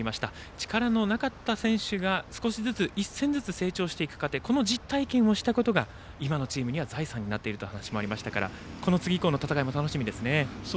力のなかった選手が１戦ずつ成長していく過程を実感したことが今のチームには財産になっているという話がありましたから次以降の戦いが楽しみですね。